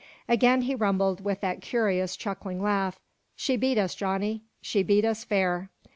Again he rumbled with that curious chuckling laugh. "She beat us, Johnny, she beat us fair!